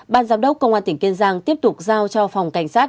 ban giám đốc công an tỉnh kiên giang tiếp tục giao cho phòng cảnh sát